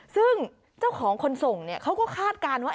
ซึ่งเจ้าของคนส่งเขาก็คาดการณ์ว่า